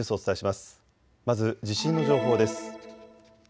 まず地震の情報です。